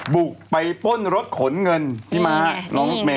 บุกไปป้นรถขนเงินพี่ม้าน้องรถเมย